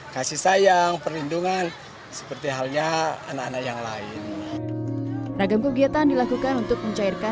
kasih sayang perlindungan seperti halnya anak anak yang lain ragam kegiatan dilakukan untuk mencairkan